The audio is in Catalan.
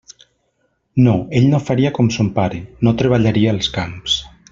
No; ell no faria com son pare; no treballaria els camps.